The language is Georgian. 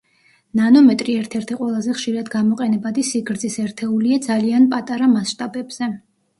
ნანომეტრი ერთ-ერთი ყველაზე ხშირად გამოყენებადი სიგრძის ერთეულია ძალიან პატარა მასშტაბებზე.